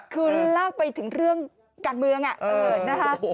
คือเล่าไปถึงเรื่องการเมืองนะคะ